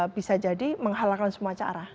bisa jadi menghalalkan semua cara